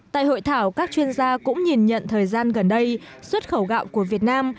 tại hội thảo các chuyên gia cũng nhìn nhận thời gian gần đây xuất khẩu gạo của việt nam